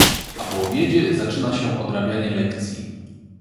A po obiedzie zaczyna się odrabianie lekcji.